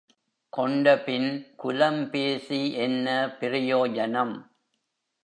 கொண்டபின் குலம் பேசி என்ன பிரயோஜனம்?